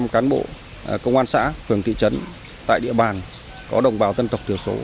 một trăm linh cán bộ công an xã phường thị trấn tại địa bàn có đồng bào dân tộc thiểu số